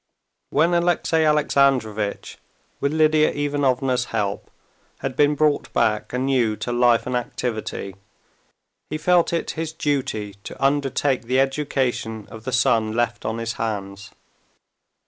When Alexey Alexandrovitch with Lidia Ivanovna's help had been brought back anew to life and activity, he felt it his duty to undertake the education of the son left on his hands.